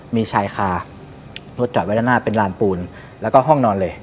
มีชายคารถจอดไว้ด้านหน้าเป็นลานปูนแล้วก็ห้องนอนเลย